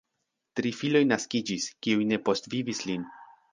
Tri filoj naskiĝis, kiuj ne postvivis lin.